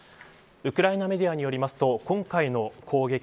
ウクライナメディアによりますと今回の攻撃